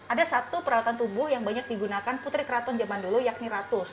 ada satu peralatan tubuh yang banyak digunakan putri keraton zaman dulu yakni ratus